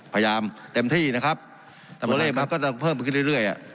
พยายามเต็มที่นะครับตัวเลขก็จะเพิ่มไปขึ้นเรื่อย